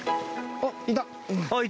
あっ、いた！